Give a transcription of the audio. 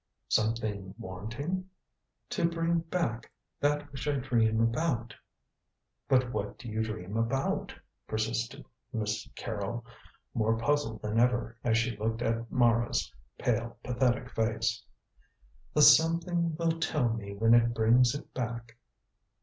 "Something wanting?" "To bring back that which I dream about." "But what do you dream about?" persisted Miss Carrol, more puzzled than ever, as she looked at Mara's pale, pathetic face. "The something will tell me when it brings it back."